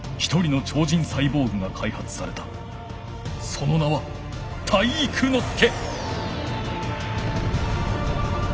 その名は体育ノ介！